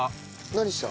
何した？